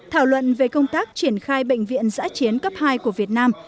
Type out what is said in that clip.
thảo luận về công tác triển khai bệnh viện giã chiến cấp hai của việt nam